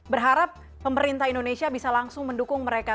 berharap pemerintah indonesia bisa langsung mendukung mereka